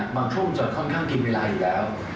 บางทุ่มจนค่อนข้างกินเวลาอยู่แล้ว